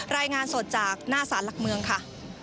รายงานสดจากหน้าสารหลักเมืองค่ะ